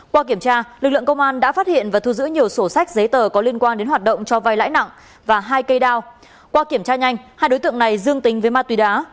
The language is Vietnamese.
qua kiểm tra lực lượng công an đã phát hiện và thu giữ nhiều sổ sách giấy tờ có liên quan đến hoạt động cho vai lãi nặng và hai cây đao qua kiểm tra nhanh hai đối tượng này dương tính với ma túy đá